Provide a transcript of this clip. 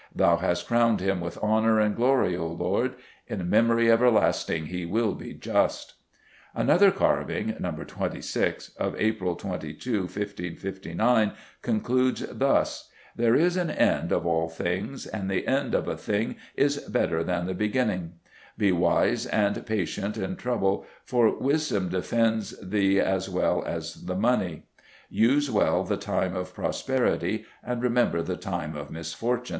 Thou hast crowned him with honour and glory, O Lord! In memory everlasting he will be just." Another carving (No. 26), of April 22, 1559, concludes thus: "There is an end of all things, and the ende of a thing is better than the beginin. Be wyse and pacyente in troble, for wysdom defends the as well as mony. Use well the tyme of prosperite, ande remember the tyme of misfortewn."